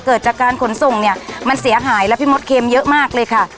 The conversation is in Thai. เกิดจากการขนส่งเนี่ยมันเสียหายแล้วพี่มดเค็มเยอะมากเลยค่ะ